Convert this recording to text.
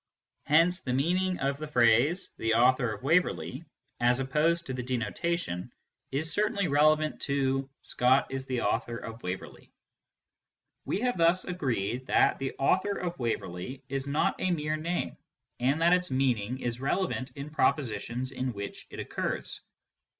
Hence the meaning of " the author of Waver ley/ as opposed to the denotation, is certainly relevant to " Scott is the author of Waverley." We have thus agreed that " the author of Waverley " is not a mere name, and that its meaning is relevant in propositions in which it occurs.